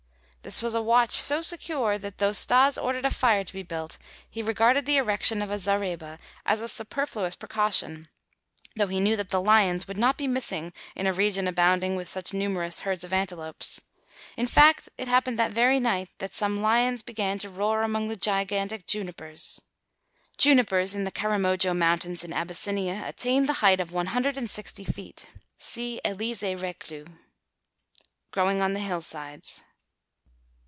This was a watch so secure that though Stas ordered a fire to be built, he regarded the erection of a zareba as a superfluous precaution, though he knew that the lions would not be missing in a region abounding with such numerous herds of antelopes. In fact, it happened that very night that some lions began to roar among the gigantic junipers* [*Junipers in the Karamojo Mountains in Abyssinia attain the height of one hundred and sixty feet. See Elisée Reclus.] growing on the hillsides.